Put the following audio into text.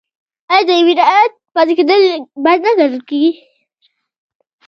آیا د میرات پاتې کیدل بد نه ګڼل کیږي؟